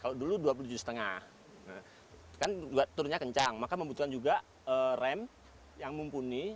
kalau dulu dua puluh tujuh lima kan turnya kencang maka membutuhkan juga rem yang mumpuni